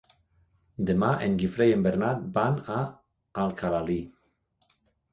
Demà en Guifré i en Bernat van a Alcalalí.